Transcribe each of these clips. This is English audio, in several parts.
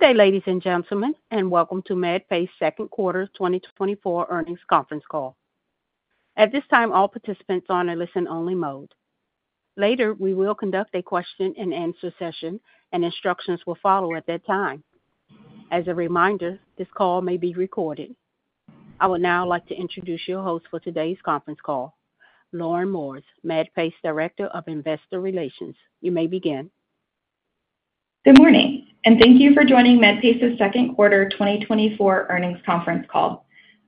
Good day, ladies and gentlemen, and welcome to Medpace Q2 2024 earnings conference call. At this time, all participants are on a listen-only mode. Later, we will conduct a question-and-answer session, and instructions will follow at that time. As a reminder, this call may be recorded. I would now like to introduce your host for today's conference call, Lauren Morris, Medpace Director of Investor Relations. You may begin. Good morning, and thank you for joining Medpace's Q2 2024 earnings conference call.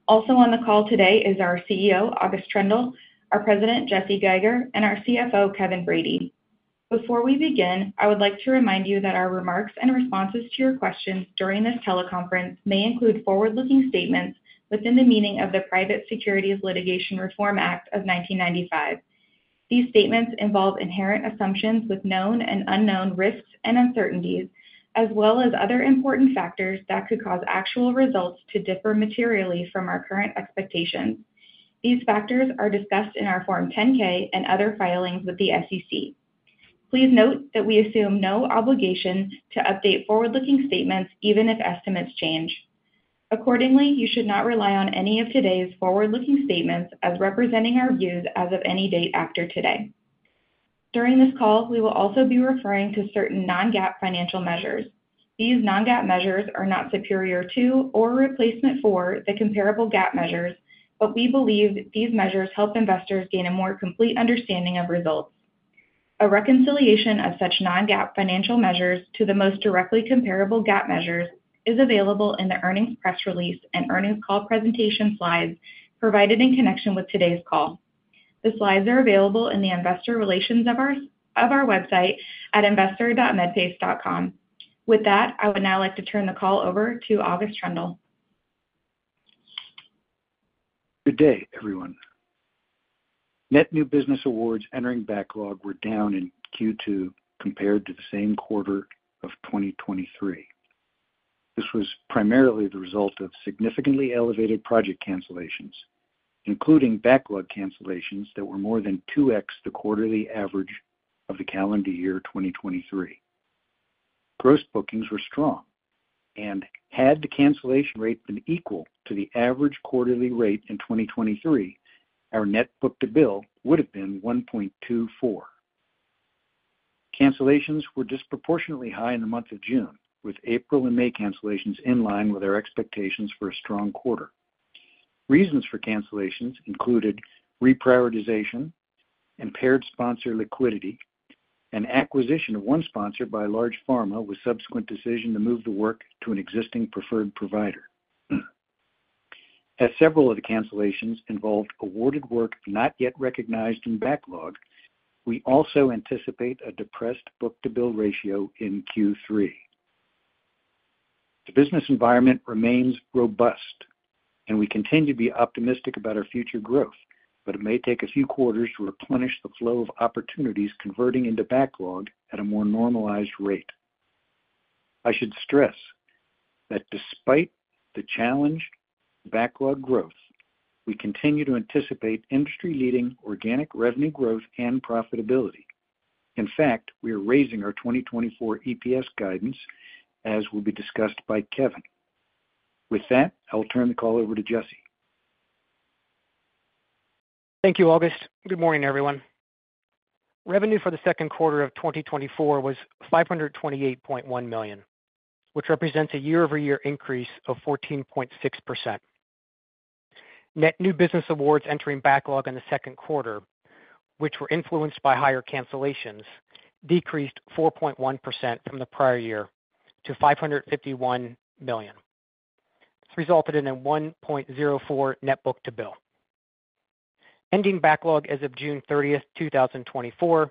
Also on the call today is our CEO, August Troendle, our President, Jesse Geiger, and our CFO, Kevin Brady. Before we begin, I would like to remind you that our remarks and responses to your questions during this teleconference may include forward-looking statements within the meaning of the Private Securities Litigation Reform Act of 1995. These statements involve inherent assumptions with known and unknown risks and uncertainties, as well as other important factors that could cause actual results to differ materially from our current expectations. These factors are discussed in our Form 10-K and other filings with the SEC. Please note that we assume no obligation to update forward-looking statements, even if estimates change. Accordingly, you should not rely on any of today's forward-looking statements as representing our views as of any date after today. During this call, we will also be referring to certain non-GAAP financial measures. These non-GAAP measures are not superior to or replacement for the comparable GAAP measures, but we believe these measures help investors gain a more complete understanding of results. A reconciliation of such non-GAAP financial measures to the most directly comparable GAAP measures is available in the earnings press release and earnings call presentation slides provided in connection with today's call. The slides are available in the Investor Relations of our website at investor.medpace.com. With that, I would now like to turn the call over to August Troendle. Good day, everyone. Net new business awards entering backlog were down in Q2 compared to the same quarter of 2023. This was primarily the result of significantly elevated project cancellations, including backlog cancellations that were more than 2x the quarterly average of the calendar year 2023. Gross bookings were strong, and had the cancellation rate been equal to the average quarterly rate in 2023, our net book-to-bill would have been 1.24. Cancellations were disproportionately high in the month of June, with April and May cancellations in line with our expectations for a strong quarter. Reasons for cancellations included reprioritization, impaired sponsor liquidity, and acquisition of one sponsor by a large pharma with subsequent decision to move the work to an existing preferred provider. As several of the cancellations involved awarded work not yet recognized in backlog, we also anticipate a depressed book-to-bill ratio in Q3. The business environment remains robust, and we continue to be optimistic about our future growth, but it may take a few quarters to replenish the flow of opportunities converting into backlog at a more normalized rate. I should stress that despite the challenged backlog growth, we continue to anticipate industry-leading organic revenue growth and profitability. In fact, we are raising our 2024 EPS guidance, as will be discussed by Kevin. With that, I will turn the call over to Jesse. Thank you, August. Good morning, everyone. Revenue for the Q2 of 2024 was $528.1 million, which represents a year-over-year increase of 14.6%. Net new business awards entering backlog in the Q2, which were influenced by higher cancellations, decreased 4.1% from the prior year to $551 million. This resulted in a 1.04 net book-to-bill. Ending backlog as of June 30, 2024,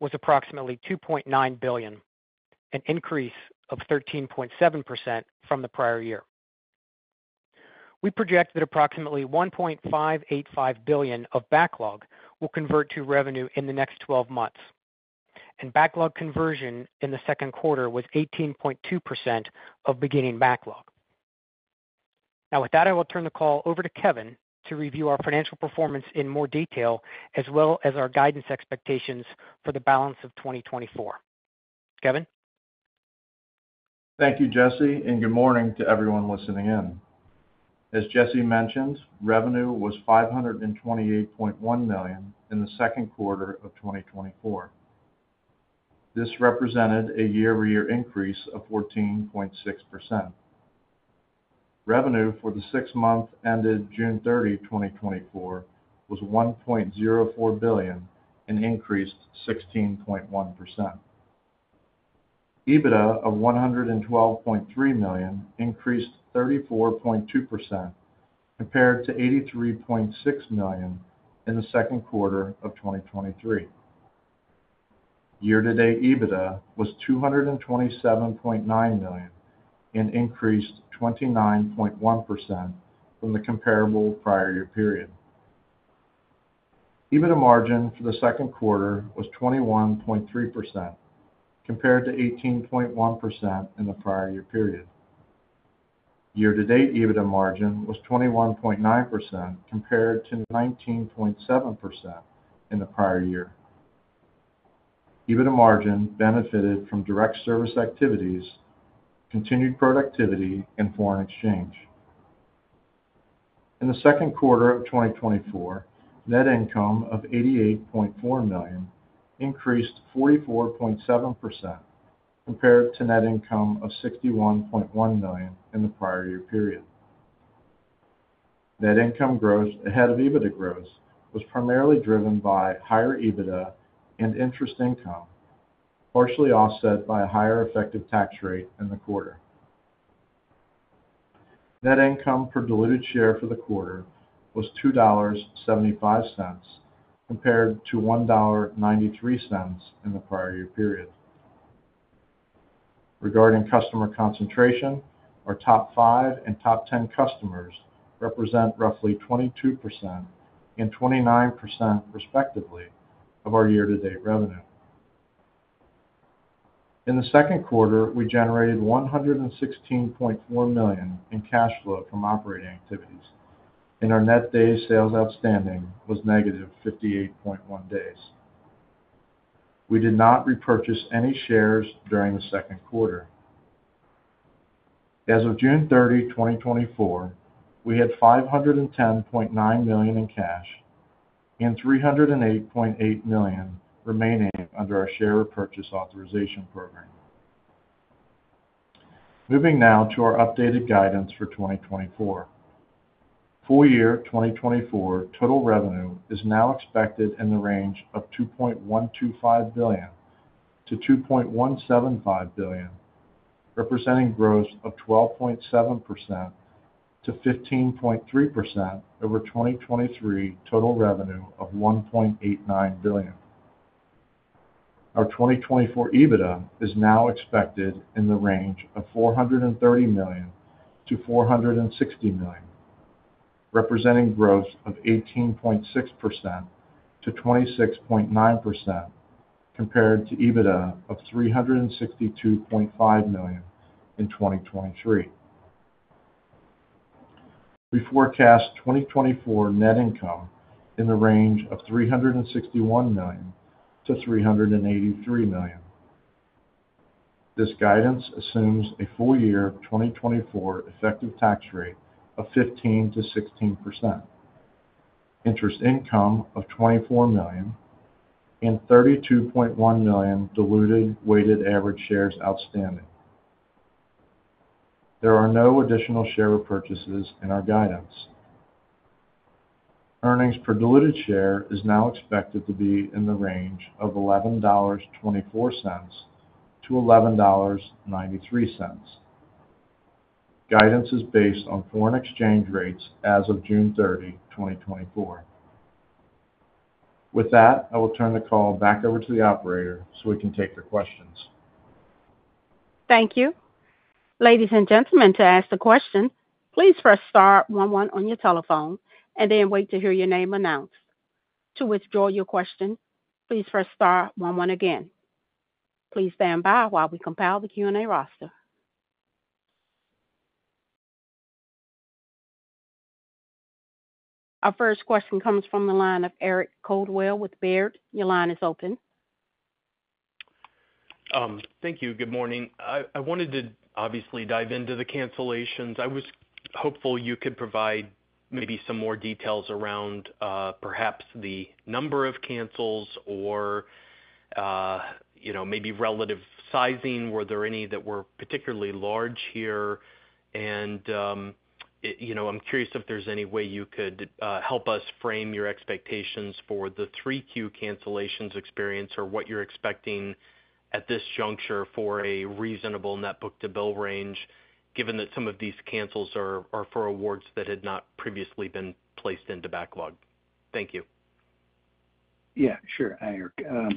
was approximately $2.9 billion, an increase of 13.7% from the prior year. We projected approximately $1.585 billion of backlog will convert to revenue in the next 12 months, and backlog conversion in the Q2 was 18.2% of beginning backlog. Now, with that, I will turn the call over to Kevin to review our financial performance in more detail, as well as our guidance expectations for the balance of 2024. Kevin. Thank you, Jesse, and good morning to everyone listening in. As Jesse mentioned, revenue was $528.1 million in the Q2 of 2024. This represented a year-over-year increase of 14.6%. Revenue for the six-month ended June 30, 2024, was $1.04 billion, an increased 16.1%. EBITDA of $112.3 million increased 34.2% compared to $83.6 million in the Q2 of 2023. Year-to-date EBITDA was $227.9 million and increased 29.1% from the comparable prior year period. EBITDA margin for the Q2 was 21.3% compared to 18.1% in the prior year period. Year-to-date EBITDA margin was 21.9% compared to 19.7% in the prior year. EBITDA margin benefited from direct service activities, continued productivity, and foreign exchange. In the Q2 of 2024, net income of $88.4 million increased 44.7% compared to net income of $61.1 million in the prior year period. Net income growth ahead of EBITDA growth was primarily driven by higher EBITDA and interest income, partially offset by a higher effective tax rate in the quarter. Net income per diluted share for the quarter was $2.75 compared to $1.93 in the prior year period. Regarding customer concentration, our top five and top ten customers represent roughly 22% and 29%, respectively, of our year-to-date revenue. In the Q2, we generated $116.4 million in cash flow from operating activities, and our net days sales outstanding was negative 58.1 days. We did not repurchase any shares during the Q2. As of June 30, 2024, we had $510.9 million in cash and $308.8 million remaining under our share repurchase authorization program. Moving now to our updated guidance for 2024. Full year 2024 total revenue is now expected in the range of $2.125-$2.175 billion, representing growth of 12.7%-15.3% over 2023 total revenue of $1.89 billion. Our 2024 EBITDA is now expected in the range of $430-$460 million, representing growth of 18.6%-26.9% compared to EBITDA of $362.5 million in 2023. We forecast 2024 net income in the range of $361-$383 million. This guidance assumes a full year 2024 effective tax rate of 15%-16%, interest income of $24 million, and 32.1 million diluted weighted average shares outstanding. There are no additional share repurchases in our guidance. Earnings per diluted share is now expected to be in the range of $11.24-$11.93. Guidance is based on foreign exchange rates as of June 30, 2024. With that, I will turn the call back over to the operator so we can take your questions. Thank you. Ladies and gentlemen, to ask a question, please press star 11 on your telephone and then wait to hear your name announced. To withdraw your question, please press star 11 again. Please stand by while we compile the Q&A roster. Our first question comes from the line of Eric Coldwell with Baird. Your line is open. Thank you. Good morning. I wanted to obviously dive into the cancellations. I was hopeful you could provide maybe some more details around perhaps the number of cancels or maybe relative sizing. Were there any that were particularly large here? And I'm curious if there's any way you could help us frame your expectations for the 3Q cancellations experience or what you're expecting at this juncture for a reasonable net book-to-bill range, given that some of these cancels are for awards that had not previously been placed into backlog. Thank you. Yeah, sure, Eric.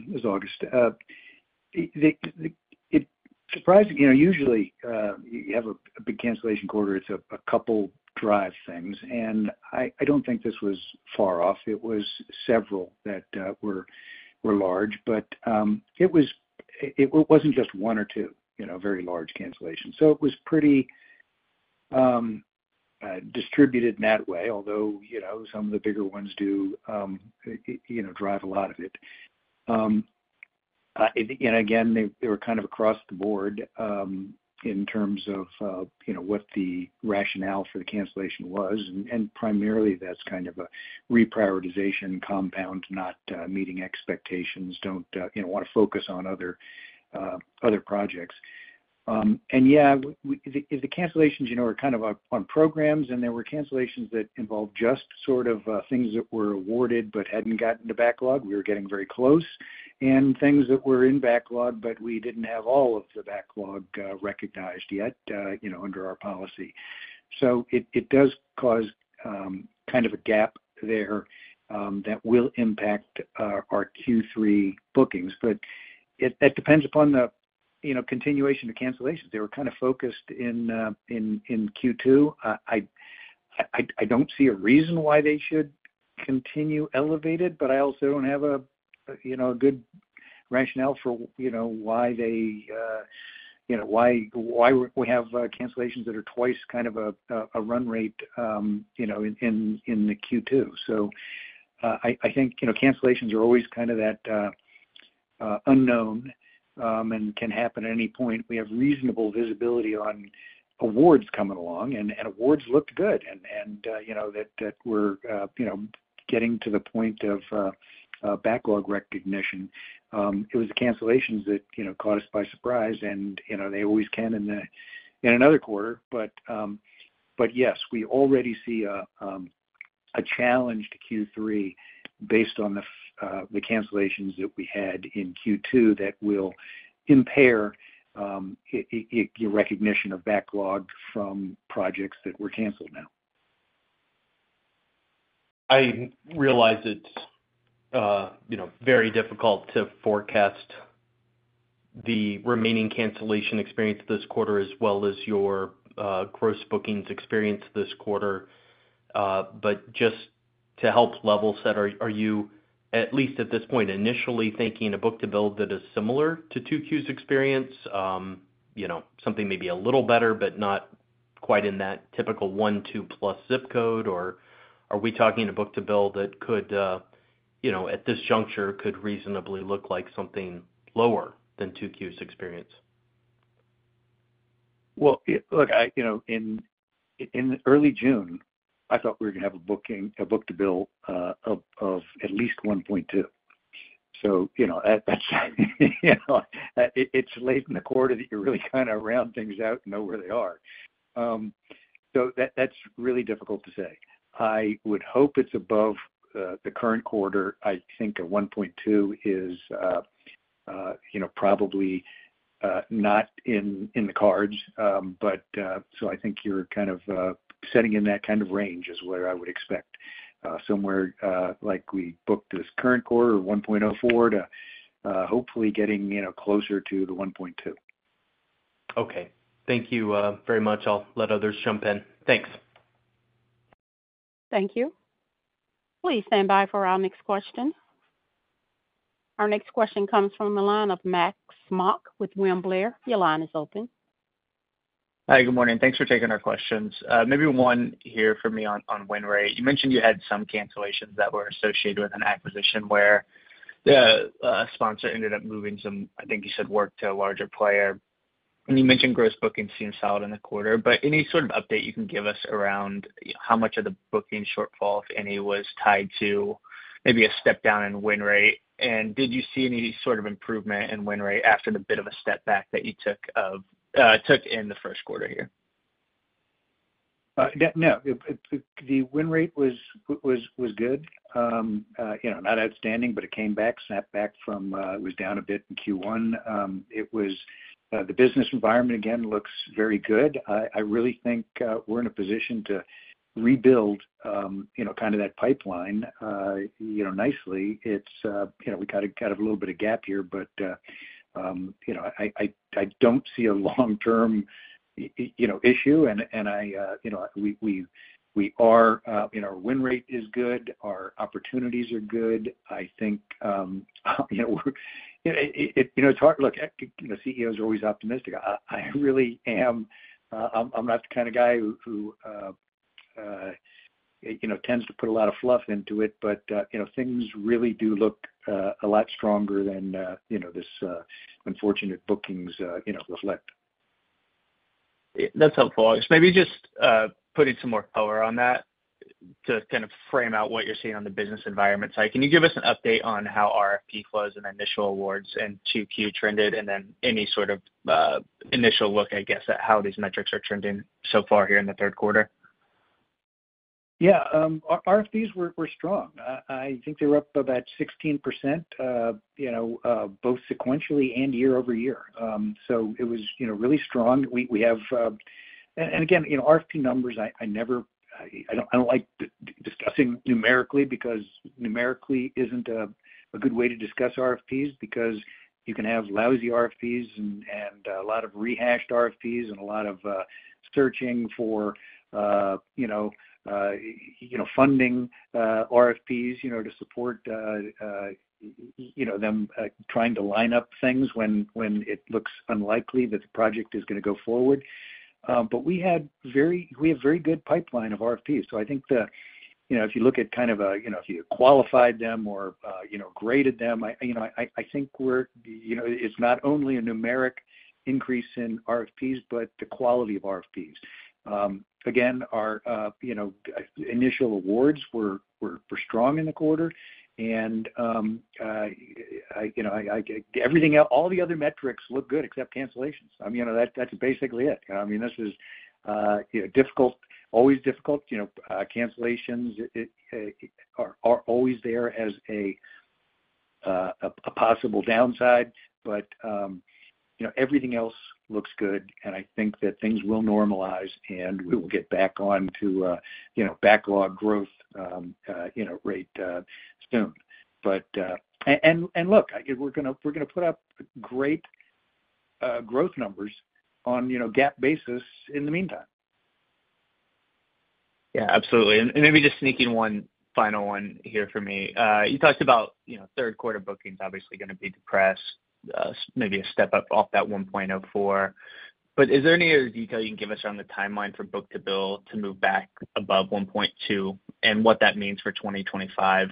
This is August. Surprisingly, usually you have a big cancellation quarter. It's a couple of drivers, and I don't think this was far off. It was several that were large, but it wasn't just one or two very large cancellations. So it was pretty distributed in that way, although some of the bigger ones do drive a lot of it. And again, they were kind of across the board in terms of what the rationale for the cancellation was, and primarily that's kind of a reprioritization, compounds not meeting expectations, don't want to focus on other projects. And yeah, the cancellations were kind of on programs, and there were cancellations that involved just sort of things that were awarded but hadn't gotten to backlog. We were getting very close and things that were in backlog, but we didn't have all of the backlog recognized yet under our policy. So it does cause kind of a gap there that will impact our Q3 bookings, but it depends upon the continuation of cancellations. They were kind of focused in Q2. I don't see a reason why they should continue elevated, but I also don't have a good rationale for why we have cancellations that are twice kind of a run rate in the Q2. So I think cancellations are always kind of that unknown and can happen at any point. We have reasonable visibility on awards coming along, and awards looked good and that we're getting to the point of backlog recognition. It was the cancellations that caught us by surprise, and they always can in another quarter. But yes, we already see a challenge to Q3 based on the cancellations that we had in Q2 that will impair your recognition of backlog from projects that were canceled now. I realize it's very difficult to forecast the remaining cancellation experience this quarter as well as your gross bookings experience this quarter, but just to help level set, are you at least at this point initially thinking a book-to-bill that is similar to Q2's experience, something maybe a little better, but not quite in that typical 1.2-plus zip code, or are we talking a book-to-bill that could, at this juncture, could reasonably look like something lower than Q2's experience? Well, look, in early June, I thought we were going to have a book-to-bill of at least 1.2. So it's late in the quarter that you're really trying to round things out and know where they are. So that's really difficult to say. I would hope it's above the current quarter. I think a 1.2 is probably not in the cards, but so I think you're kind of setting in that kind of range is where I would expect somewhere like we booked this current quarter of 1.04 to hopefully getting closer to the 1.2. Okay. Thank you very much. I'll let others jump in. Thanks. Thank you. Please stand by for our next question. Our next question comes from the line of Max Smock with William Blair. Your line is open. Hi, good morning. Thanks for taking our questions. Maybe one here for me on win rate, right? You mentioned you had some cancellations that were associated with an acquisition where a sponsor ended up moving some, I think you said, work to a larger player. And you mentioned gross bookings seemed solid in the quarter, but any sort of update you can give us around how much of the booking shortfall, if any, was tied to maybe a step down in win rate? And did you see any sort of improvement in win rate after the bit of a step back that you took in the Q1 here? No. The win rate was good, not outstanding, but it came back, snapped back from it was down a bit in Q1. The business environment, again, looks very good. I really think we're in a position to rebuild kind of that pipeline nicely. We kind of have a little bit of gap here, but I don't see a long-term issue, and we are win rate is good. Our opportunities are good. I think it's hard. Look, CEOs are always optimistic. I really am. I'm not the kind of guy who tends to put a lot of fluff into it, but things really do look a lot stronger than this unfortunate bookings reflect. That's helpful. Maybe just putting some more power on that to kind of frame out what you're seeing on the business environment side. Can you give us an update on how RFP flows and initial awards and book-to-bill trended and then any sort of initial look, I guess, at how these metrics are trending so far here in the Q3? Yeah. RFPs were strong. I think they were up about 16% both sequentially and year-over-year. So it was really strong. And again, RFP numbers, I don't like discussing numerically because numerically isn't a good way to discuss RFPs because you can have lousy RFPs and a lot of rehashed RFPs and a lot of searching for funding RFPs to support them trying to line up things when it looks unlikely that the project is going to go forward. But we have a very good pipeline of RFPs. So I think if you look at kind of if you qualified them or graded them, I think it's not only a numeric increase in RFPs, but the quality of RFPs. Again, our initial awards were strong in the quarter, and everything else, all the other metrics look good except cancellations. I mean, that's basically it. I mean, this is difficult, always difficult. Cancellations are always there as a possible downside, but everything else looks good, and I think that things will normalize and we will get back on to backlog growth rate soon. And look, we're going to put up great growth numbers on GAAP basis in the meantime. Yeah, absolutely. Maybe just sneaking one final one here for me. You talked about Q3 bookings obviously going to be depressed, maybe a step up off that 1.04, but is there any other detail you can give us on the timeline for book-to-bill to move back above 1.2 and what that means for 2025?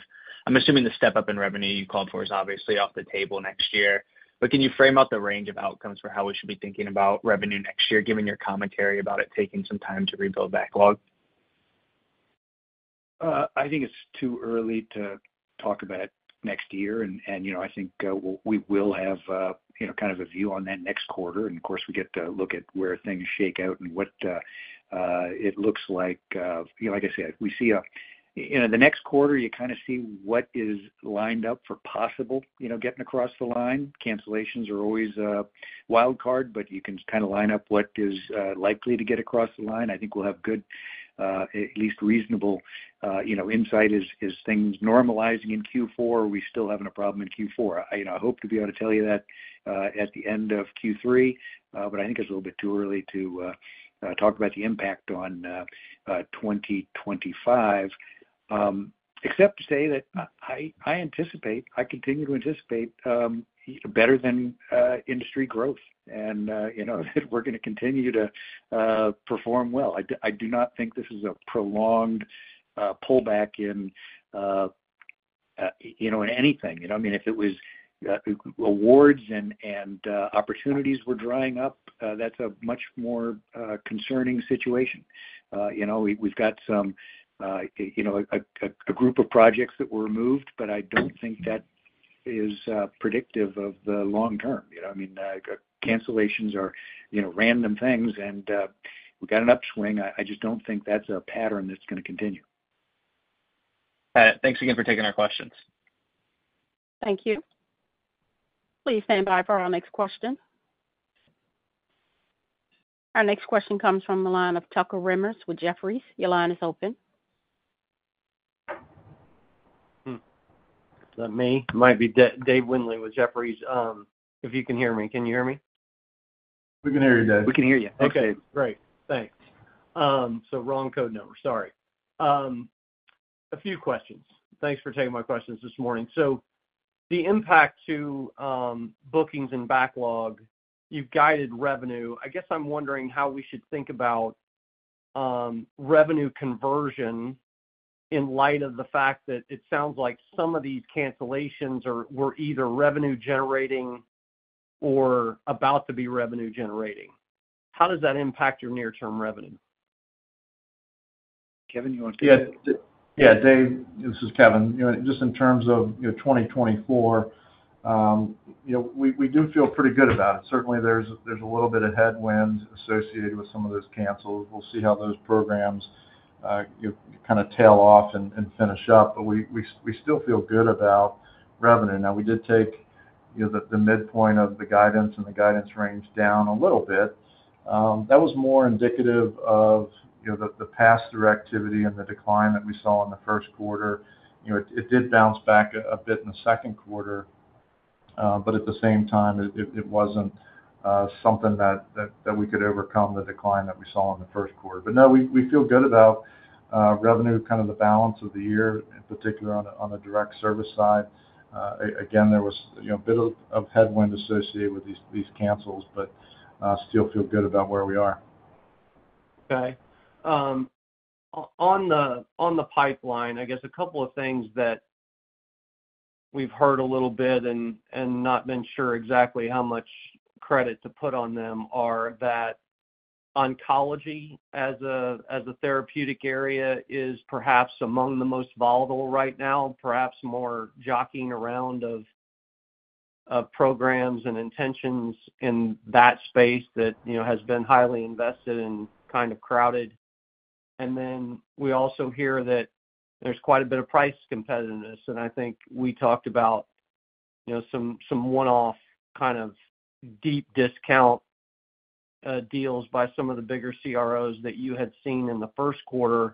I'm assuming the step up in revenue you called for is obviously off the table next year, but can you frame out the range of outcomes for how we should be thinking about revenue next year given your commentary about it taking some time to rebuild backlog? I think it's too early to talk about next year, and I think we will have kind of a view on that next quarter. Of course, we get to look at where things shake out and what it looks like. Like I said, we see the next quarter, you kind of see what is lined up for possible getting across the line. Cancellations are always a wild card, but you can kind of line up what is likely to get across the line. I think we'll have good, at least reasonable insight as things normalizing in Q4. We still haven't a problem in Q4. I hope to be able to tell you that at the end of Q3, but I think it's a little bit too early to talk about the impact on 2025, except to say that I anticipate, I continue to anticipate better than industry growth, and we're going to continue to perform well. I do not think this is a prolonged pullback in anything. I mean, if it was awards and opportunities were drying up, that's a much more concerning situation. We've got a group of projects that were moved, but I don't think that is predictive of the long term. I mean, cancellations are random things, and we got an upswing. I just don't think that's a pattern that's going to continue. Got it. Thanks again for taking our questions. Thank you. Please stand by for our next question. Our next question comes from the line of Tucker Remmers with Jefferies. Your line is open. Is that me? It might be David Windley with Jefferies. If you can hear me, can you hear me? We can hear you, Dave. We can hear you. Okay. Great. Thanks. So wrong code number. Sorry. A few questions. Thanks for taking my questions this morning. So the impact to bookings and backlog, you've guided revenue. I guess I'm wondering how we should think about revenue conversion in light of the fact that it sounds like some of these cancellations were either revenue-generating or about to be revenue-generating. How does that impact your near-term revenue? Kevin, you want to take it? Yeah. Dave, this is Kevin. Just in terms of 2024, we do feel pretty good about it. Certainly, there's a little bit of headwinds associated with some of those cancels. We'll see how those programs kind of tail off and finish up, but we still feel good about revenue. Now, we did take the midpoint of the guidance and the guidance range down a little bit. That was more indicative of the past direct service activity and the decline that we saw in the Q1. It did bounce back a bit in the Q2, but at the same time, it wasn't something that we could overcome the decline that we saw in the Q1. But no, we feel good about revenue, kind of the balance of the year, in particular on the direct service side. Again, there was a bit of headwind associated with these cancels, but still feel good about where we are. Okay. On the pipeline, I guess a couple of things that we've heard a little bit and not been sure exactly how much credit to put on them are that oncology as a therapeutic area is perhaps among the most volatile right now, perhaps more jockeying around of programs and intentions in that space that has been highly invested and kind of crowded. And then we also hear that there's quite a bit of price competitiveness, and I think we talked about some one-off kind of deep discount deals by some of the bigger CROs that you had seen in the Q1.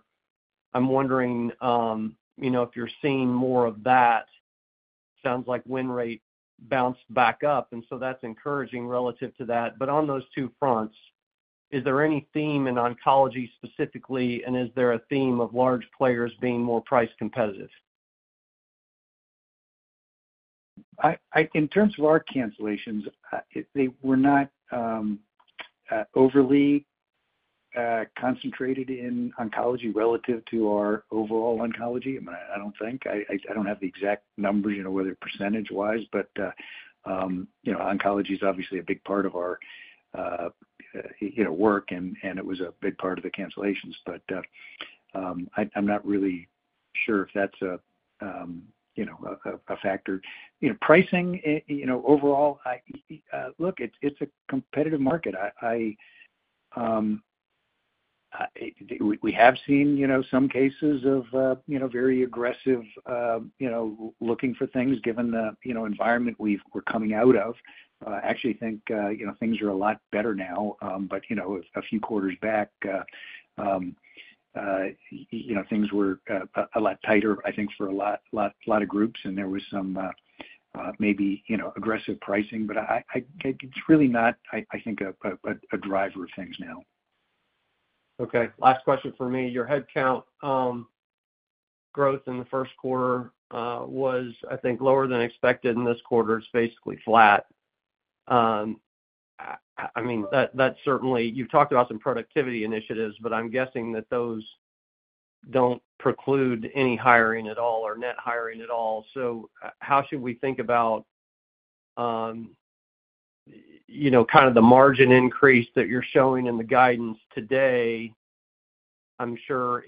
I'm wondering if you're seeing more of that. Sounds like win rate bounced back up, and so that's encouraging relative to that. But on those two fronts, is there any theme in oncology specifically, and is there a theme of large players being more price competitive? In terms of our cancellations, they were not overly concentrated in oncology relative to our overall oncology. I mean, I don't think. I don't have the exact numbers whether percentage-wise, but oncology is obviously a big part of our work, and it was a big part of the cancellations, but I'm not really sure if that's a factor. Pricing overall, look, it's a competitive market. We have seen some cases of very aggressive looking for things given the environment we're coming out of. I actually think things are a lot better now, but a few quarters back, things were a lot tighter, I think, for a lot of groups, and there was some maybe aggressive pricing, but it's really not, I think, a driver of things now. Okay. Last question for me. Your headcount growth in the Q1 was, I think, lower than expected in this quarter. It's basically flat. I mean, you've talked about some productivity initiatives, but I'm guessing that those don't preclude any hiring at all or net hiring at all. So how should we think about kind of the margin increase that you're showing in the guidance today? I'm sure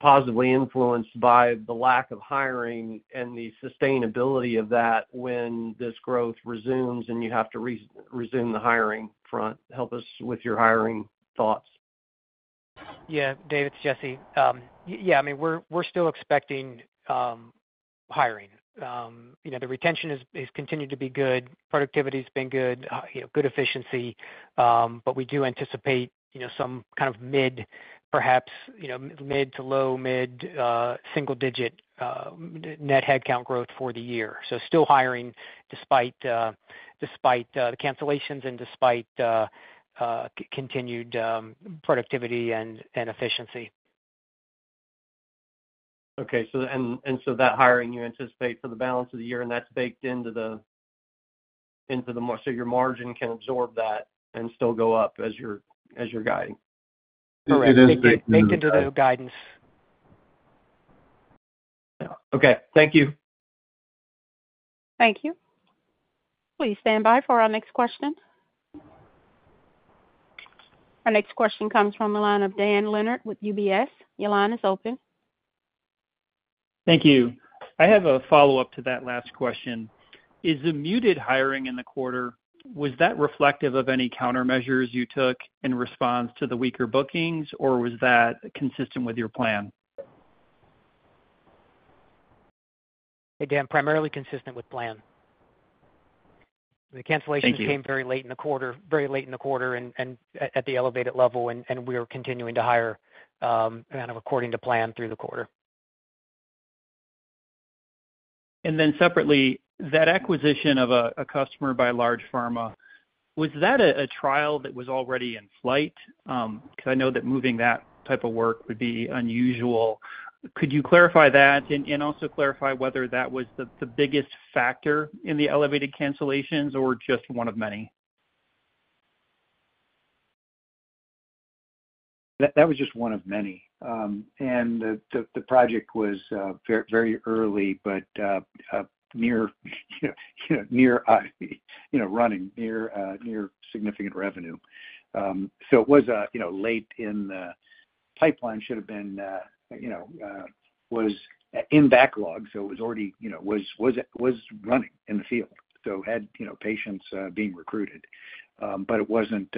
positively influenced by the lack of hiring and the sustainability of that when this growth resumes and you have to resume the hiring front. Help us with your hiring thoughts. Yeah. Dave, it's Jesse. Yeah. I mean, we're still expecting hiring. The retention has continued to be good. Productivity has been good, good efficiency, but we do anticipate some kind of mid, perhaps mid to low, mid single-digit net headcount growth for the year. So still hiring despite the cancellations and despite continued productivity and efficiency. Okay. And so that hiring you anticipate for the balance of the year, and that's baked into the so your margin can absorb that and still go up as you're guiding. It is baked into the guidance. Okay. Thank you. Thank you. Please stand by for our next question. Our next question comes from the line of Dan Leonard with UBS. Your line is open. Thank you. I have a follow-up to that last question. Is the muted hiring in the quarter, was that reflective of any countermeasures you took in response to the weaker bookings, or was that consistent with your plan? Again, primarily consistent with plan. The cancellations came very late in the quarter, very late in the quarter and at the elevated level, and we were continuing to hire kind of according to plan through the quarter. And then separately, that acquisition of a customer by large pharma, was that a trial that was already in flight? Because I know that moving that type of work would be unusual. Could you clarify that and also clarify whether that was the biggest factor in the elevated cancellations or just one of many? That was just one of many. The project was very early, but near running, near significant revenue. It was late in the pipeline, should have been in backlog, so it was already running in the field. So had patients being recruited, but it wasn't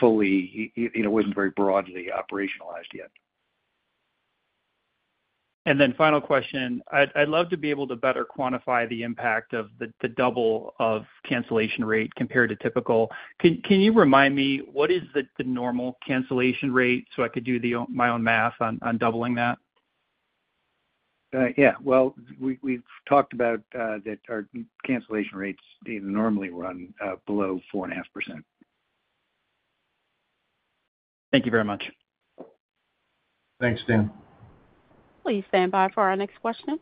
fully. It wasn't very broadly operationalized yet. And then, final question. I'd love to be able to better quantify the impact of the double of cancellation rate compared to typical. Can you remind me what is the normal cancellation rate so I could do my own math on doubling that? Yeah. Well, we've talked about that our cancellation rates normally run below 4.5%. Thank you very much. Thanks, Dan. Please stand by for our next question.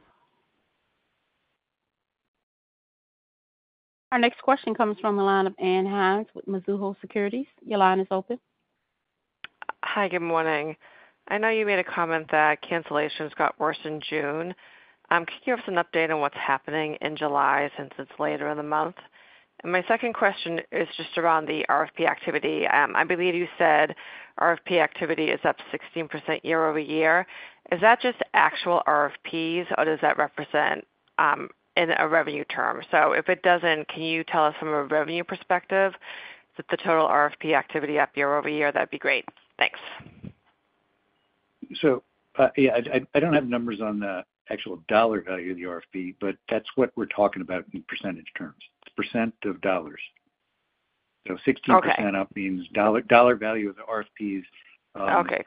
Our next question comes from the line of Ann Hynes with Mizuho Securities. Your line is open. Hi. Good morning. I know you made a comment that cancellations got worse in June. I'm keying up some update on what's happening in July since it's later in the month. And my second question is just around the RFP activity. I believe you said RFP activity is up 16% year-over-year. Is that just actual RFPs, or does that represent in a revenue term? So if it doesn't, can you tell us from a revenue perspective that the total RFP activity up year-over-year, that'd be great. Thanks. So yeah, I don't have numbers on the actual dollar value of the RFP, but that's what we're talking about in percentage terms. It's percent of dollars. So 16% up means dollar value of the RFPs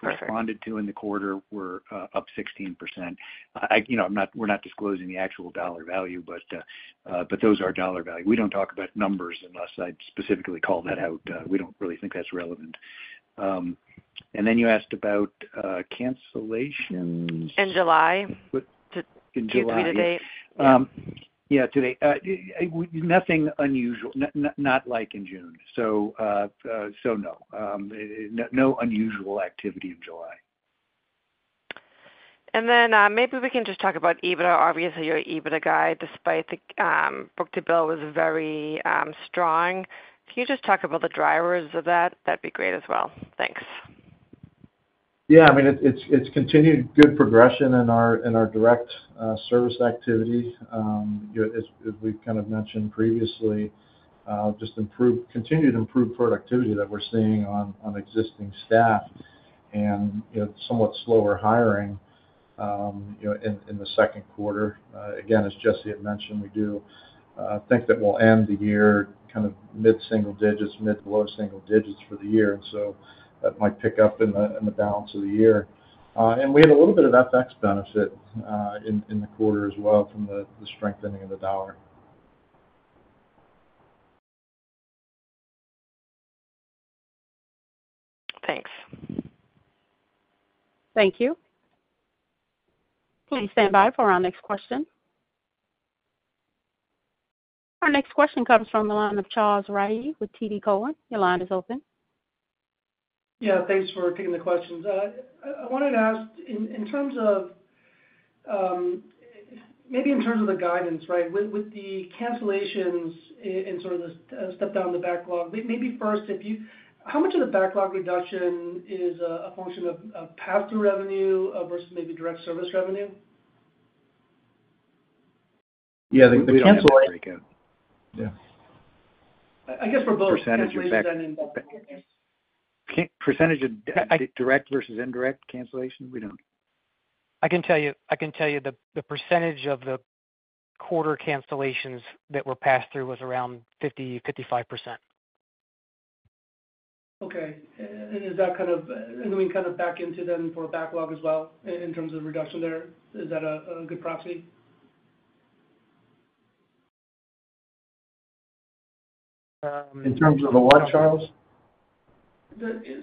corresponded to in the quarter were up 16%. We're not disclosing the actual dollar value, but those are dollar value. We don't talk about numbers unless I specifically call that out. We don't really think that's relevant. And then you asked about cancellations. In July? In July. To date? Yeah. Nothing unusual, not like in June. So no, no unusual activity in July. Then maybe we can just talk about EBITDA. Obviously, your EBITDA guide, despite the book-to-bill, was very strong. Can you just talk about the drivers of that? That'd be great as well. Thanks. Yeah. I mean, it's continued good progression in our direct service activity. As we've kind of mentioned previously, just continued improved productivity that we're seeing on existing staff and somewhat slower hiring in the Q2. Again, as Jesse had mentioned, we do think that we'll end the year kind of mid-single digits, mid to low single digits for the year. And so that might pick up in the balance of the year. And we had a little bit of FX benefit in the quarter as well from the strengthening of the US dollar. Thanks. Thank you. Please stand by for our next question. Our next question comes from the line of Charles Rhyee with TD Cowen. Your line is open. Yeah. Thanks for taking the questions. I wanted to ask, in terms of maybe the guidance, right, with the cancellations and sort of the step down the backlog, maybe first, how much of the backlog reduction is a function of pass-through revenue versus maybe direct service revenue? Yeah. The cancellation. We don't break out. Yeah. I guess for both. Percentage of direct versus indirect cancellation, we don't. I can tell you the percentage of the quarter cancellations that were passed through was around 50%-55%. Okay. And is that kind of, are we kind of back into then for backlog as well in terms of reduction there? Is that a good proxy? In terms of the what, Charles?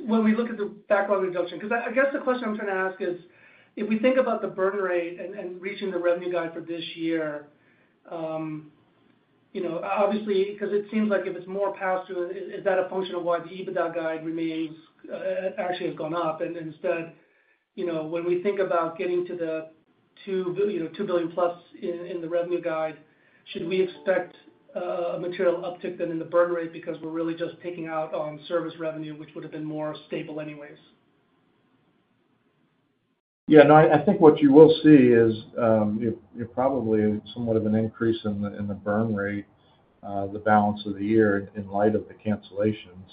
When we look at the backlog reduction? Because I guess the question I'm trying to ask is, if we think about the burn rate and reaching the revenue guide for this year, obviously, because it seems like if it's more pass-through, is that a function of why the EBITDA guide actually has gone up? And instead, when we think about getting to the $2 billion+ in the revenue guide, should we expect a material uptick then in the burn rate because we're really just taking out on service revenue, which would have been more stable anyways? Yeah. No, I think what you will see is probably somewhat of an increase in the burn rate, the balance of the year in light of the cancellations.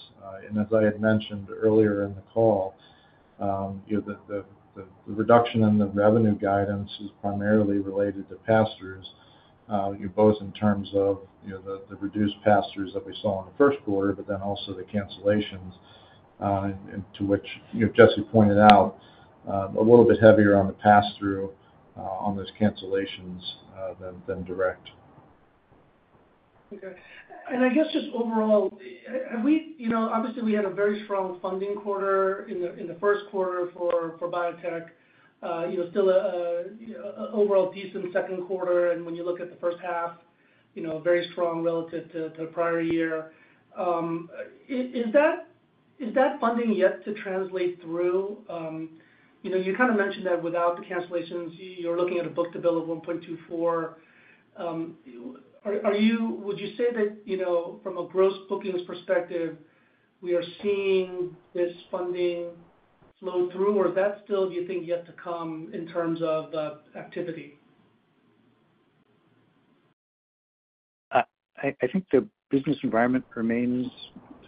And as I had mentioned earlier in the call, the reduction in the revenue guidance is primarily related to pass-throughs, both in terms of the reduced pass-throughs that we saw in the Q1, but then also the cancellations, to which Jesse pointed out, a little bit heavier on the pass-through on those cancellations than direct. Okay. And I guess just overall, obviously, we had a very strong funding quarter in the Q1 for biotech. Still an overall decent Q2. And when you look at the first half, very strong relative to the prior year. Is that funding yet to translate through? You kind of mentioned that without the cancellations, you're looking at a book-to-bill of 1.24. Would you say that from a gross bookings perspective, we are seeing this funding flow through, or is that still, do you think, yet to come in terms of activity? I think the business environment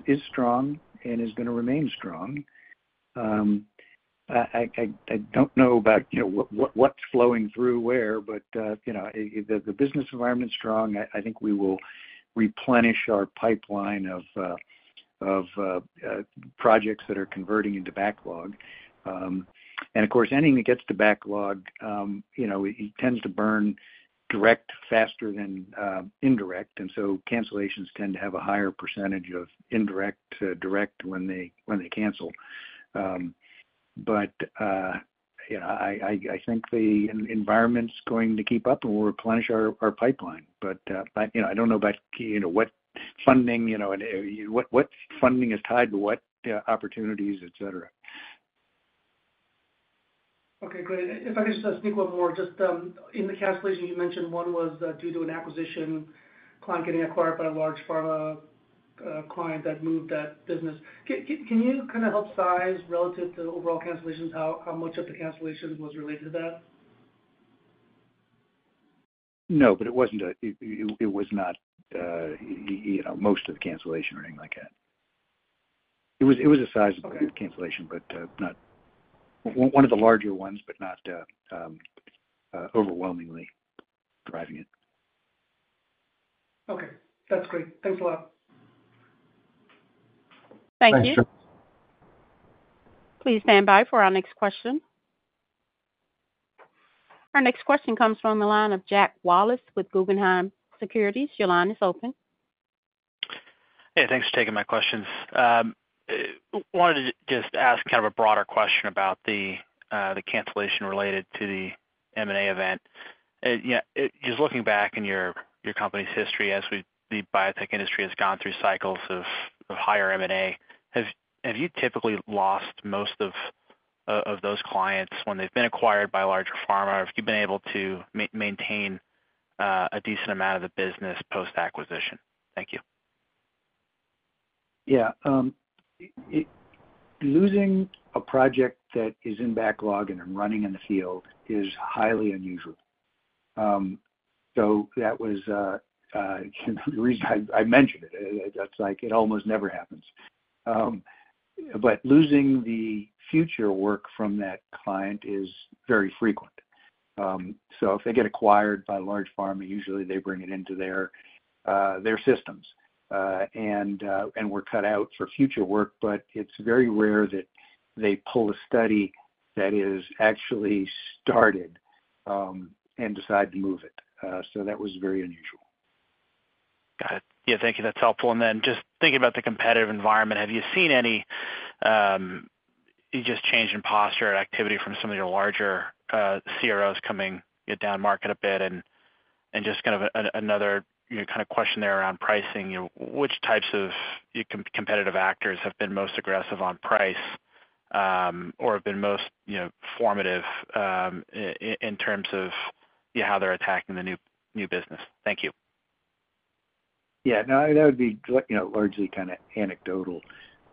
is strong and is going to remain strong. I don't know about what's flowing through where, but the business environment is strong. I think we will replenish our pipeline of projects that are converting into backlog. And of course, anything that gets to backlog tends to burn direct faster than indirect. And so cancellations tend to have a higher percentage of indirect to direct when they cancel. But I think the environment's going to keep up and we'll replenish our pipeline. But I don't know about what funding is tied to what opportunities, etc. Okay. Great. If I could just sneak one more. Just in the cancellation, you mentioned one was due to an acquisition, client getting acquired by a large pharma client that moved that business. Can you kind of help size relative to overall cancellations, how much of the cancellation was related to that? No, but it wasn't most of the cancellation or anything like that. It was a sizable cancellation, but not one of the larger ones, but not overwhelmingly driving it. Okay. That's great. Thanks a lot. Thank you. Thanks, Charles. Please stand by for our next question. Our next question comes from the line of Jack Wallace with Guggenheim Securities. Your line is open. Hey. Thanks for taking my questions. Wanted to just ask kind of a broader question about the cancellation related to the M&A event. Just looking back in your company's history as the biotech industry has gone through cycles of higher M&A, have you typically lost most of those clients when they've been acquired by a larger pharma? Have you been able to maintain a decent amount of the business post-acquisition? Thank you. Yeah. Losing a project that is in backlog and running in the field is highly unusual. So that was the reason I mentioned it. It's like it almost never happens. But losing the future work from that client is very frequent. So if they get acquired by a large pharma, usually they bring it into their systems and we're cut out for future work, but it's very rare that they pull a study that is actually started and decide to move it. So that was very unusual. Got it. Yeah. Thank you. That's helpful. And then just thinking about the competitive environment, have you seen any just change in posture and activity from some of your larger CROs coming down market a bit? And just kind of another kind of question there around pricing. Which types of competitive actors have been most aggressive on price or have been most formative in terms of how they're attacking the new business? Thank you. Yeah. No, that would be largely kind of anecdotal.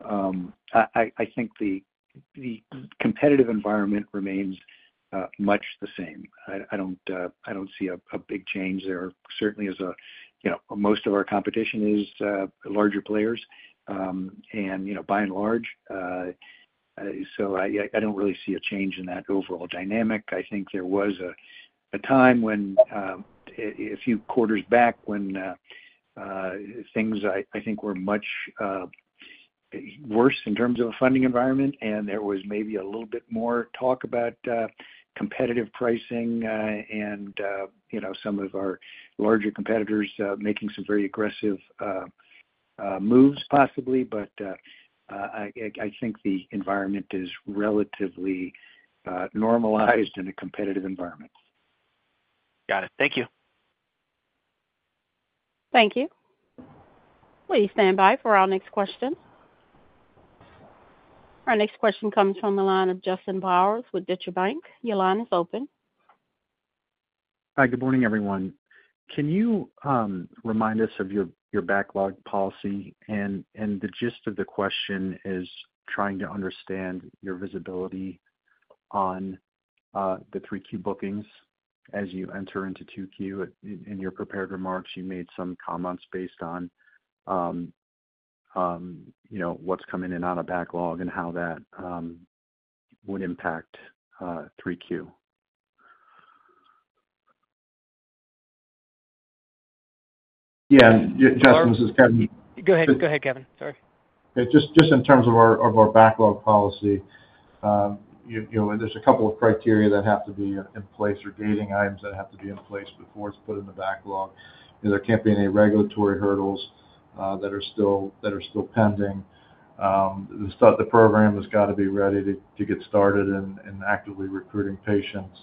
I think the competitive environment remains much the same. I don't see a big change there. Certainly, as most of our competition is larger players and by and large. So I don't really see a change in that overall dynamic. I think there was a time a few quarters back when things I think were much worse in terms of a funding environment, and there was maybe a little bit more talk about competitive pricing and some of our larger competitors making some very aggressive moves possibly. But I think the environment is relatively normalized in a competitive environment. Got it. Thank you. Thank you. Please stand by for our next question. Our next question comes from the line of Justin Bowers with Deutsche Bank. Your line is open. Hi. Good morning, everyone. Can you remind us of your backlog policy? The gist of the question is trying to understand your visibility on the 3Q bookings as you enter into 2Q. In your prepared remarks, you made some comments based on what's coming in out of backlog and how that would impact 3Q. Yeah. Justin, this is Kevin. Go ahead. Go ahead, Kevin. Sorry. Just in terms of our backlog policy, there's a couple of criteria that have to be in place or gating items that have to be in place before it's put in the backlog. There can't be any regulatory hurdles that are still pending. The program has got to be ready to get started in actively recruiting patients.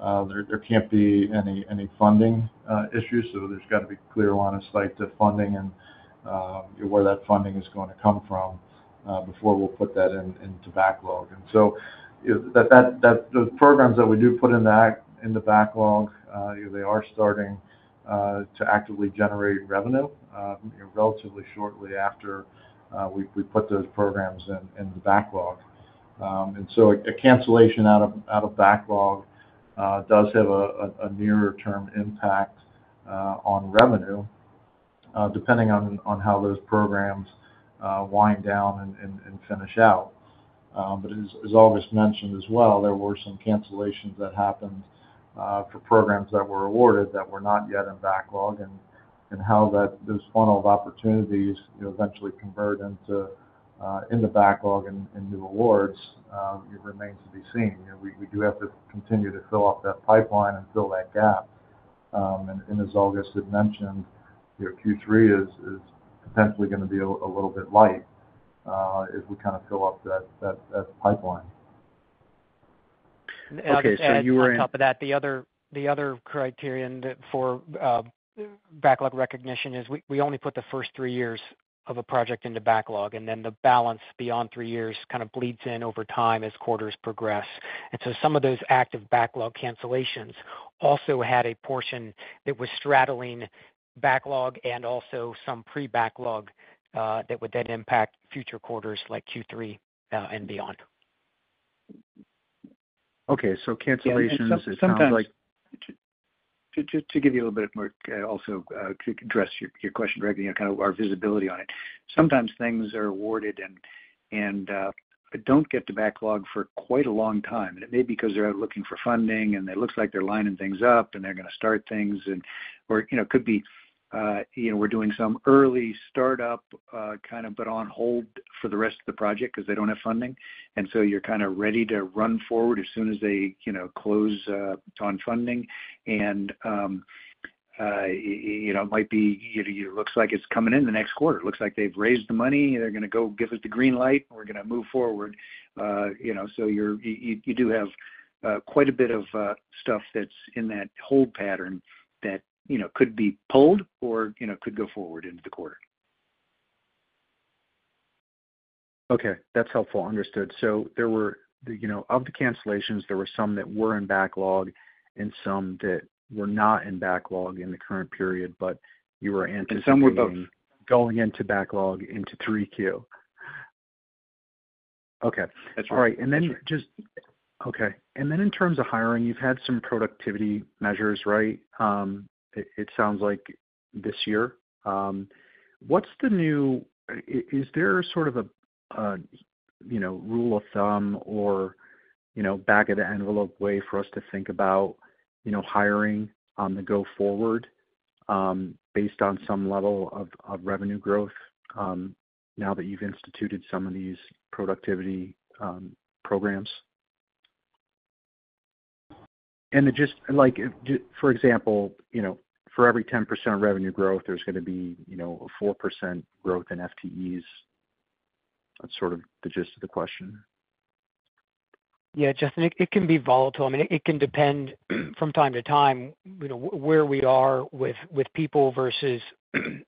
There can't be any funding issues. So there's got to be clear line of sight to funding and where that funding is going to come from before we'll put that into backlog. And so the programs that we do put in the backlog, they are starting to actively generate revenue relatively shortly after we put those programs in the backlog. And so a cancellation out of backlog does have a nearer-term impact on revenue depending on how those programs wind down and finish out. As August mentioned as well, there were some cancellations that happened for programs that were awarded that were not yet in backlog. How those funneled opportunities eventually convert into backlog and new awards remains to be seen. We do have to continue to fill up that pipeline and fill that gap. As August had mentioned, Q3 is potentially going to be a little bit light if we kind of fill up that pipeline. Okay. So you were on top of that. The other criterion for backlog recognition is we only put the first three years of a project into backlog, and then the balance beyond three years kind of bleeds in over time as quarters progress. And so some of those active backlog cancellations also had a portion that was straddling backlog and also some pre-backlog that would then impact future quarters like Q3 and beyond. Okay. So cancellations is kind of like. Sometimes. To give you a little bit more, also to address your question directly, kind of our visibility on it. Sometimes things are awarded and don't get to backlog for quite a long time. It may be because they're out looking for funding and it looks like they're lining things up and they're going to start things. Or it could be we're doing some early startup kind of but on hold for the rest of the project because they don't have funding. So you're kind of ready to run forward as soon as they close on funding. It might be it looks like it's coming in the next quarter. It looks like they've raised the money. They're going to go give us the green light. We're going to move forward. So you do have quite a bit of stuff that's in that hold pattern that could be pulled or could go forward into the quarter. Okay. That's helpful. Understood. So of the cancellations, there were some that were in backlog and some that were not in backlog in the current period, but you were anticipating. Some were both. Going into backlog into 3Q. Okay. All right. And then just. That's right. Okay. And then in terms of hiring, you've had some productivity measures, right? It sounds like this year. What's the new? Is there sort of a rule of thumb or back-of-the-envelope way for us to think about hiring on the go-forward based on some level of revenue growth now that you've instituted some of these productivity programs? And just for example, for every 10% of revenue growth, there's going to be a 4% growth in FTEs. That's sort of the gist of the question. Yeah. Justin, it can be volatile. I mean, it can depend from time to time where we are with people versus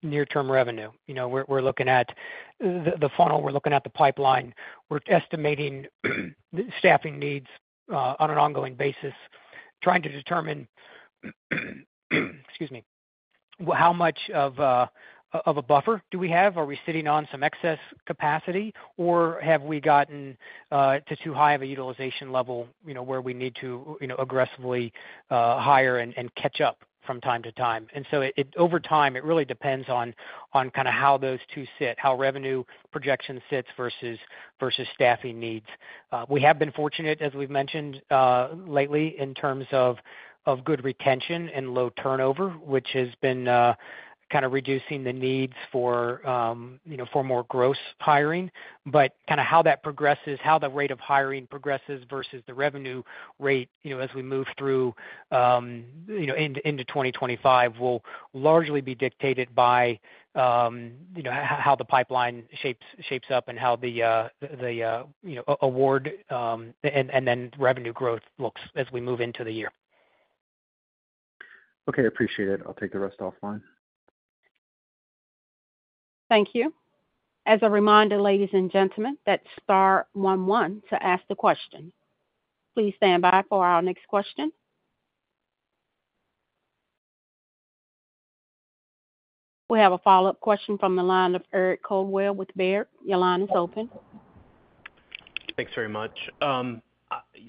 near-term revenue. We're looking at the funnel. We're looking at the pipeline. We're estimating staffing needs on an ongoing basis, trying to determine, excuse me, how much of a buffer do we have? Are we sitting on some excess capacity, or have we gotten to too high of a utilization level where we need to aggressively hire and catch up from time to time? And so over time, it really depends on kind of how those two sit, how revenue projection sits versus staffing needs. We have been fortunate, as we've mentioned lately, in terms of good retention and low turnover, which has been kind of reducing the needs for more gross hiring. But kind of how that progresses, how the rate of hiring progresses versus the revenue rate as we move through into 2025 will largely be dictated by how the pipeline shapes up and how the award and then revenue growth looks as we move into the year. Okay. Appreciate it. I'll take the rest offline. Thank you. As a reminder, ladies and gentlemen, that's Star 11 to ask the question. Please stand by for our next question. We have a follow-up question from the line of Eric Coldwell with Baird. Your line is open. Thanks very much.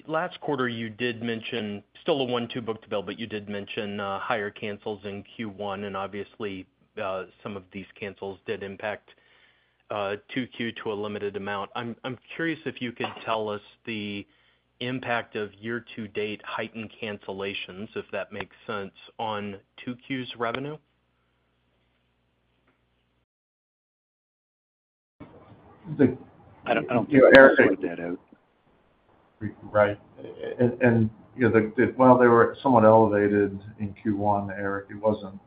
Last quarter, you did mention still a 1.2 book-to-bill, but you did mention higher cancels in Q1. And obviously, some of these cancels did impact 2Q to a limited amount. I'm curious if you could tell us the impact of year-to-date heightened cancellations, if that makes sense, on 2Q's revenue. I don't care. Eric sorted that out. Right. And while they were somewhat elevated in Q1, Eric, it wasn't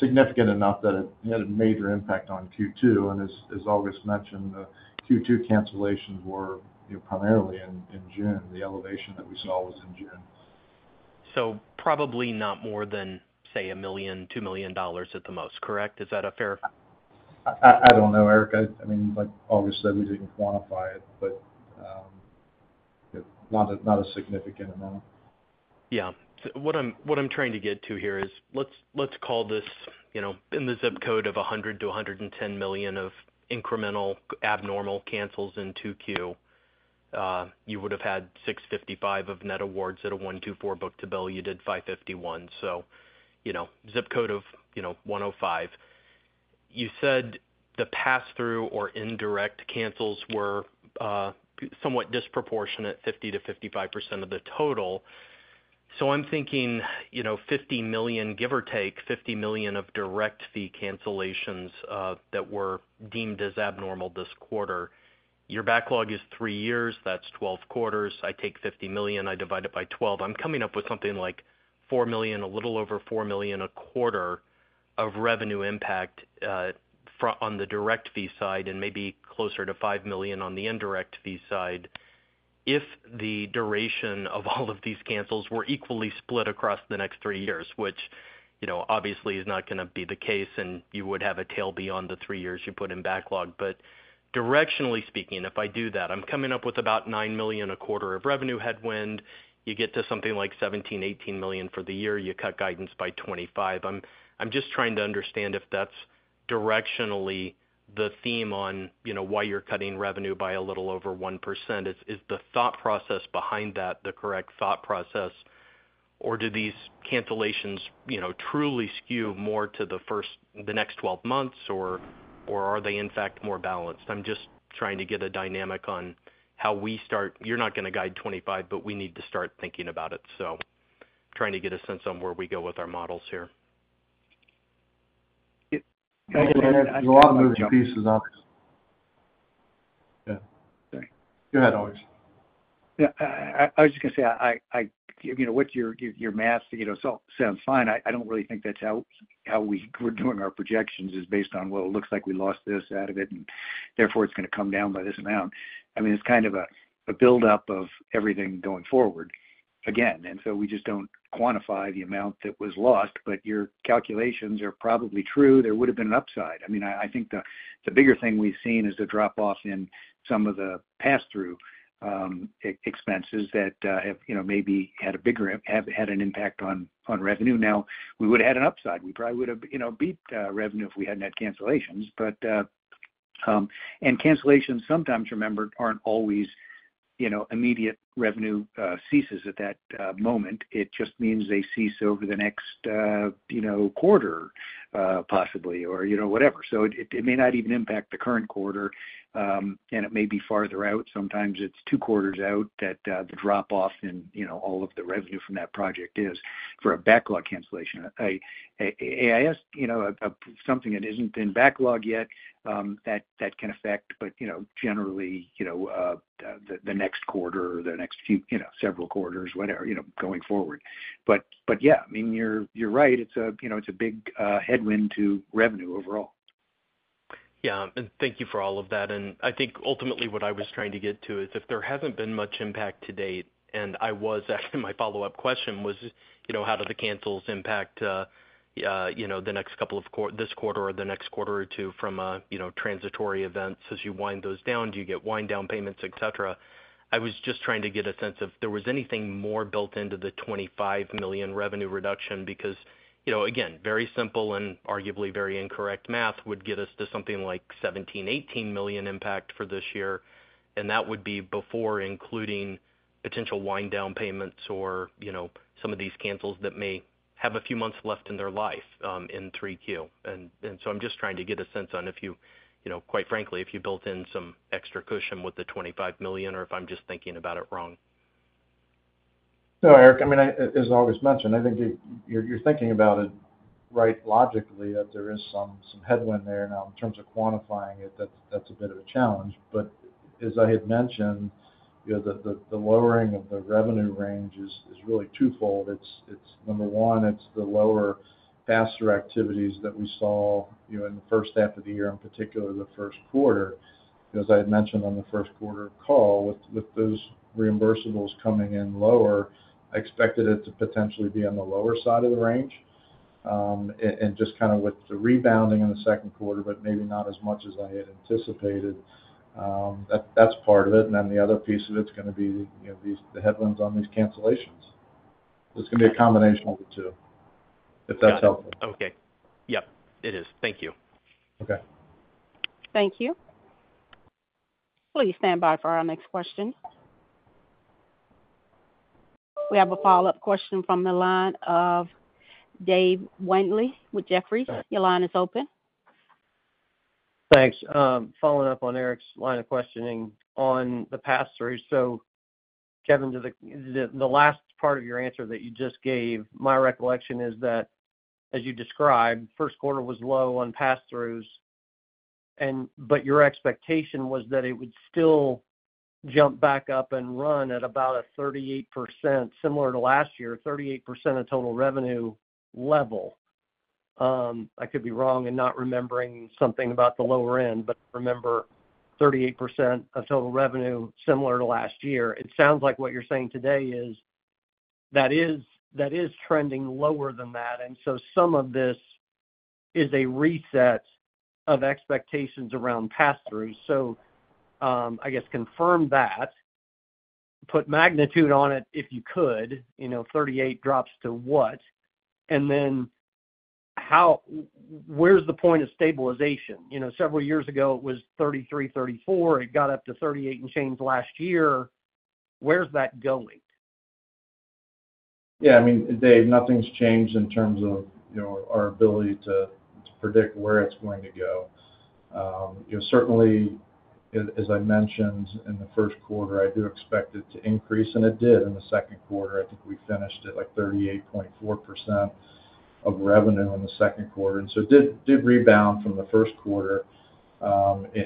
significant enough that it had a major impact on Q2. And as August mentioned, Q2 cancellations were primarily in June. The elevation that we saw was in June. Probably not more than, say, $1 million, $2 million at the most, correct? Is that a fair? I don't know, Eric. I mean, like August said, we didn't quantify it, but not a significant amount. Yeah. What I'm trying to get to here is let's call this in the zip code of $100 million-$110 million of incremental abnormal cancels in 2Q. You would have had 655 of net awards at a 1.24 book-to-bill. You did 551. So zip code of 105. You said the pass-through or indirect cancels were somewhat disproportionate, 50%-55% of the total. So I'm thinking $50 million, give or take $50 million of direct fee cancellations that were deemed as abnormal this quarter. Your backlog is three years. That's 12 quarters. I take $50 million. I divide it by 12. I'm coming up with something like $4 million, a little over $4 million a quarter of revenue impact on the direct fee side and maybe closer to $5 million on the indirect fee side if the duration of all of these cancels were equally split across the next three years, which obviously is not going to be the case, and you would have a tail beyond the three years you put in backlog. But directionally speaking, if I do that, I'm coming up with about $9 million a quarter of revenue headwind. You get to something like $17 million-$18 million for the year. You cut guidance by $25 million. I'm just trying to understand if that's directionally the theme on why you're cutting revenue by a little over 1%. Is the thought process behind that the correct thought process, or do these cancellations truly skew more to the next 12 months, or are they, in fact, more balanced? I'm just trying to get a dynamic on how we start. You're not going to guide 25, but we need to start thinking about it. So trying to get a sense on where we go with our models here. Thank you, Eric. There's a lot of moving pieces, August. Yeah. Sorry. Go ahead, August. Yeah. I was just going to say, with your math, sounds fine. I don't really think that's how we're doing our projections is based on, "Well, it looks like we lost this out of it, and therefore it's going to come down by this amount." I mean, it's kind of a buildup of everything going forward again. And so we just don't quantify the amount that was lost, but your calculations are probably true. There would have been an upside. I mean, I think the bigger thing we've seen is the drop-off in some of the pass-through expenses that have maybe had a bigger impact on revenue. Now, we would have had an upside. We probably would have beat revenue if we hadn't had cancellations. And cancellations, sometimes, remember, aren't always immediate revenue ceases at that moment. It just means they cease over the next quarter, possibly, or whatever. So it may not even impact the current quarter, and it may be farther out. Sometimes it's 2 quarters out that the drop-off in all of the revenue from that project is for a backlog cancellation. I asked something that isn't in backlog yet that can affect, but generally, the next quarter or the next few several quarters, whatever, going forward. But yeah, I mean, you're right. It's a big headwind to revenue overall. Yeah. And thank you for all of that. And I think ultimately what I was trying to get to is if there hasn't been much impact to date, and I was actually my follow-up question was, how do the cancels impact the next couple of this quarter or the next quarter or two from transitory events as you wind those down? Do you get wind-down payments, etc.? I was just trying to get a sense of if there was anything more built into the $25 million revenue reduction because, again, very simple and arguably very incorrect math would get us to something like $17-$18 million impact for this year. And that would be before including potential wind-down payments or some of these cancels that may have a few months left in their life in 3Q. So I'm just trying to get a sense on, quite frankly, if you built in some extra cushion with the $25 million or if I'm just thinking about it wrong. No, Eric. I mean, as August mentioned, I think you're thinking about it right logically that there is some headwind there now. In terms of quantifying it, that's a bit of a challenge. But as I had mentioned, the lowering of the revenue range is really twofold. Number one, it's the lower faster activities that we saw in the first half of the year, in particular the Q1. As I had mentioned on the Q1 call, with those reimbursables coming in lower, I expected it to potentially be on the lower side of the range and just kind of with the rebounding in the Q2, but maybe not as much as I had anticipated. That's part of it. And then the other piece of it's going to be the headwinds on these cancellations. It's going to be a combination of the two if that's helpful. Okay. Yep. It is. Thank you. Okay. Thank you. Please stand by for our next question. We have a follow-up question from the line of Dave Wendley with Jefferies. Your line is open. Thanks. Following up on Eric's line of questioning on the pass-throughs. So Kevin, the last part of your answer that you just gave, my recollection is that, as you described, Q1 was low on pass-throughs, but your expectation was that it would still jump back up and run at about a 38%, similar to last year, 38% of total revenue level. I could be wrong in not remembering something about the lower end, but I remember 38% of total revenue similar to last year. It sounds like what you're saying today is that is trending lower than that. And so some of this is a reset of expectations around pass-throughs. So I guess confirm that, put magnitude on it if you could. 38 drops to what? And then where's the point of stabilization? Several years ago, it was 33, 34. It got up to 38 and change last year. Where's that going? Yeah. I mean, Dave, nothing's changed in terms of our ability to predict where it's going to go. Certainly, as I mentioned in the Q1, I do expect it to increase, and it did in the Q2. I think we finished at like 38.4% of revenue in the Q2. And so it did rebound from the Q1.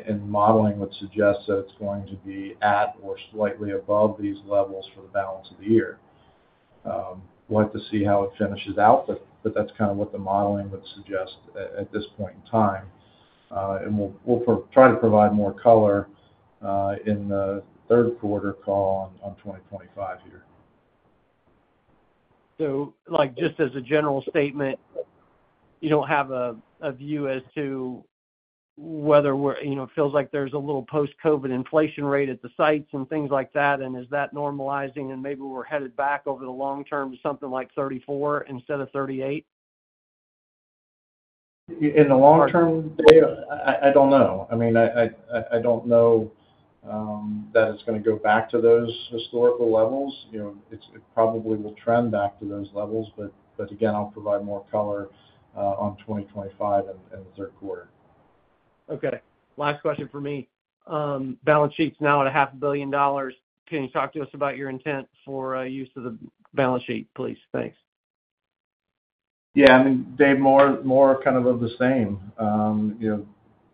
And modeling would suggest that it's going to be at or slightly above these levels for the balance of the year. We'll have to see how it finishes out, but that's kind of what the modeling would suggest at this point in time. And we'll try to provide more color in the Q3 call on 2025 here. Just as a general statement, you don't have a view as to whether it feels like there's a little post-COVID inflation rate at the sites and things like that, and is that normalizing? And maybe we're headed back over the long term to something like 34 instead of 38? In the long term, Dave, I don't know. I mean, I don't know that it's going to go back to those historical levels. It probably will trend back to those levels. But again, I'll provide more color on 2025 and the Q3. Okay. Last question for me. Balance sheet's now at $500 million. Can you talk to us about your intent for use of the balance sheet, please? Thanks. Yeah. I mean, Dave, more kind of the same.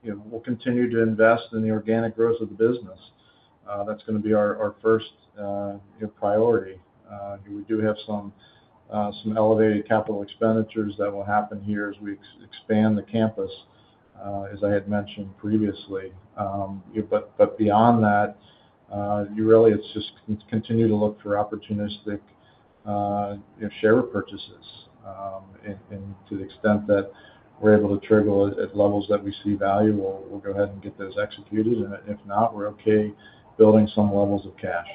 We'll continue to invest in the organic growth of the business. That's going to be our first priority. We do have some elevated capital expenditures that will happen here as we expand the campus, as I had mentioned previously. But beyond that, really, it's just continue to look for opportunistic share purchases. And to the extent that we're able to trigger at levels that we see value, we'll go ahead and get those executed. And if not, we're okay building some levels of cash.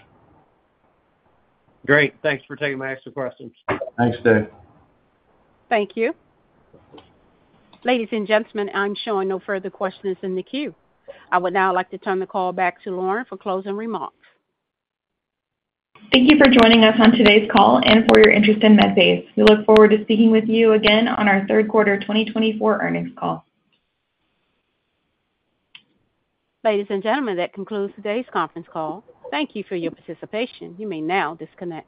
Great. Thanks for taking my extra questions. Thanks, Dave. Thank you. Ladies and gentlemen, I'm sure no further questions in the queue. I would now like to turn the call back to Lauren for closing remarks. Thank you for joining us on today's call and for your interest in Medpace. We look forward to speaking with you again on our Q3 2024 earnings call. Ladies and gentlemen, that concludes today's conference call. Thank you for your participation. You may now disconnect.